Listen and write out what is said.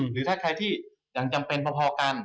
หรือถ้าใครที่ยังจำเป็นพอกัน